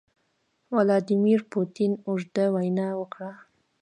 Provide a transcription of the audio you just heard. ولادیمیر پوتین اوږده وینا وکړه.